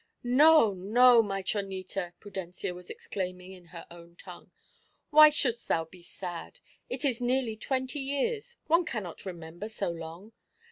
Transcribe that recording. "No, no, my Chonita!" Prudencia was exclaiming in her own tongue. "Why shouldst thou be sad? It is nearly twenty years; one cannot remember so long.